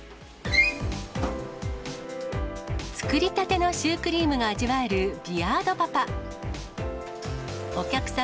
作りたてのシュークリームが味わえるビアードパパ。